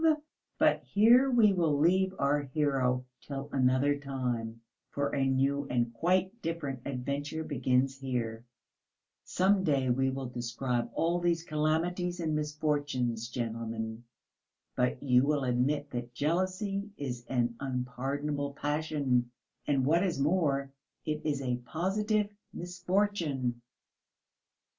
But here we will leave our hero till another time, for a new and quite different adventure begins here. Some day we will describe all these calamities and misfortunes, gentlemen. But you will admit that jealousy is an unpardonable passion, and what is more, it is a positive misfortune.